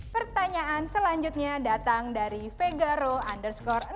pertanyaan selanjutnya datang dari vegaro underscore enam